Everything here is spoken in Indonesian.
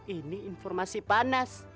ini informasi panas